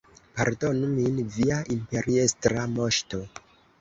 Pardonu min, Via Imperiestra Moŝto!